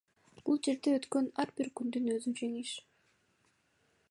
Бул жерде өткөн ар бир күндүн өзү жеңиш.